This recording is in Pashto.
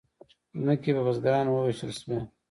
ځمکې په بزګرانو وویشل شوې.